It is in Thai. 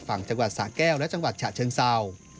ฝั่งจังหวัดสะแก้วและจังหวัดฉะเชิงเศร้า